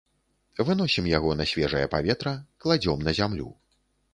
Выносім яго на свежае паветра, кладзём на зямлю.